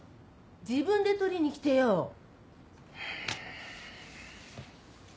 ・自分で取りに来てよ・ハァ。